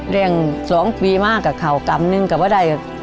เรียงสองปีมากเขากำหนึ่งก็ว่าได้